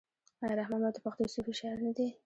آیا رحمان بابا د پښتو صوفي شاعر نه دی؟